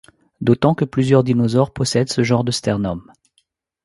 D'autant que plusieurs dinosaures possèdent ce genre de sternum.